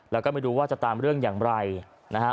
แล้วก็ไม่รู้ว่าจะตามเรื่องอย่างไรนะฮะ